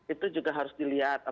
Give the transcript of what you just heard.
itu juga harus dilihat